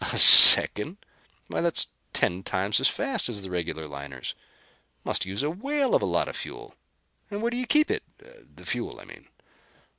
"A second! Why, that's ten times as fast as the regular liners! Must use a whale of a lot of fuel. And where do you keep it? The fuel, I mean."